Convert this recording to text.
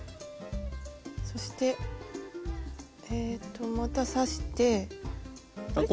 そしてえっとまた刺してあれ？